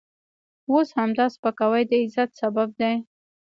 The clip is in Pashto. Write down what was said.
اوس همدا سپکاوی د عزت سبب دی.